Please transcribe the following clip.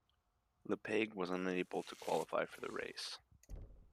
Lepage was unable to qualify for the race.